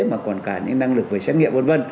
mà còn cả những năng lực về xét nghiệm v v